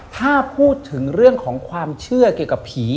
ถ้าพูดถึงเรื่องของความเชื่อเกี่ยวกับผี